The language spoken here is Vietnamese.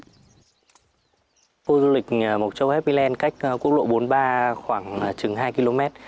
khu du lịch mộc châu happy land cách quốc lộ bốn mươi ba khoảng chừng hai km